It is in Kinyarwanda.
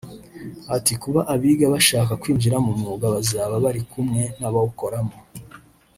Ati “ Kuba abiga bashaka kwinjira mu mwuga bazaba bari kumwe n’abawukoramo